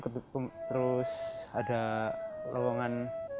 terus ada lowongan